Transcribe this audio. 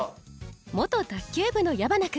元卓球部の矢花君。